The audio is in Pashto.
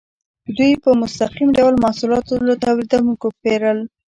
دوی په مستقیم ډول محصولات له تولیدونکو پیرل.